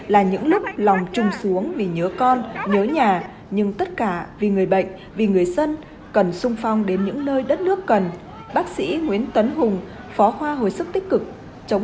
là những lúc lòng trung xuống vì nhớ con nhớ nhà nhưng tất cả vì người bệnh vì người sân cần sung phong đến những nơi đất nước cần